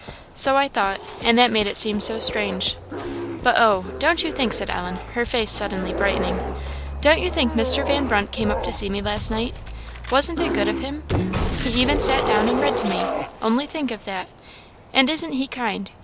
"So I thought, and that made it seem so very strange. But oh! don't you think," said Ellen, her face suddenly brightening "don't you think Mr. Van Brunt came up to see me last night? Wasn't it good of him? He even sat down and read to me only think of that! And isn't he kind?